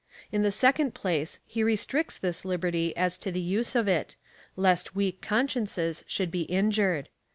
In the second place, he restricts this liberty as to the use of it — lest weak consciences should be injured.